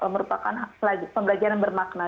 merupakan pembelajaran bermakna